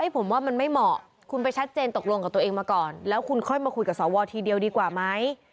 ผมว่ามันไม่เหมาะคุณไปชัดเจนตกลงกับตัวเองมาก่อนแล้วคุณค่อยมาคุยกับสวทีเดียวดีกว่าไหม